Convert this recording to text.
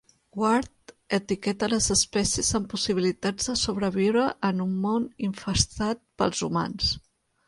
Ward etiqueta les espècies amb possibilitats de sobreviure en un món infestat pels humans.